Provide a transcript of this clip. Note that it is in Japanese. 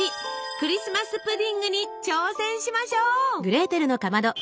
クリスマス・プディングに挑戦しましょう！